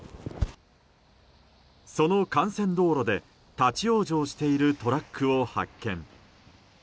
その幹線道路で立ち往生しているトラックを発見。